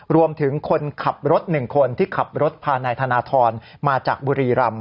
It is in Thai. รวมถึงคนขับรถ๑คนที่ขับรถพานายธนทรมาจากบุรีรำ